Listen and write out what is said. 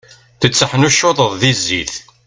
Tetteḥnuccuḍeḍ di zzit.